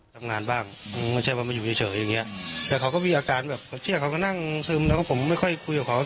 ทำงานบ้างไม่ใช่ว่ามาอยู่เฉยอย่างเงี้ยแต่เขาก็มีอาการแบบเขาเชื่อเขาก็นั่งซึมแล้วก็ผมไม่ค่อยคุยกับเขา